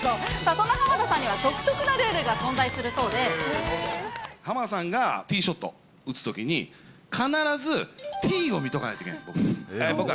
そんな浜田さんに浜田さんがティーショットを打つときに、必ずティーを見とかないといけないんです。